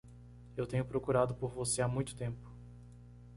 Eu tenho procurado por você há muito tempo.